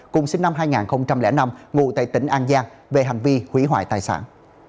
cùng sinh năm hai nghìn năm ngụ tại tỉnh an giang về hành vi hủy hoại tài sản